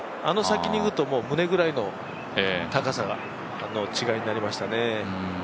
あの先に行くと胸ぐらいの高さが、違いになりましたね。